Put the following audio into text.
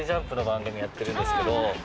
ＪＵＭＰの番組やってるんですけど。